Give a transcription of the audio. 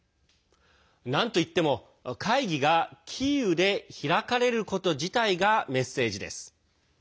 なんと言っても、会議がキーウで開かれること自体がメッセージです。